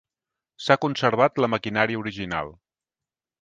S'ha conservat la maquinària original.